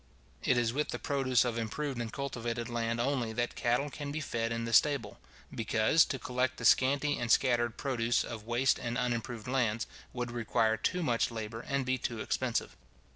It is with the produce of improved and cultivated land only that cattle can be fed in the stable; because, to collect the scanty and scattered produce of waste and unimproved lands, would require too much labour, and be too expensive.